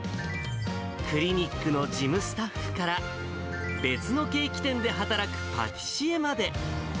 クリニックの事務スタッフから、別のケーキ店で働くパティシエまで。